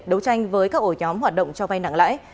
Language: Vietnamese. đấu tranh với các ổ nhóm hoạt động cho vay nặng lãi